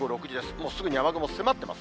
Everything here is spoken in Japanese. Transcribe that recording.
もうすぐに雨雲、迫っています。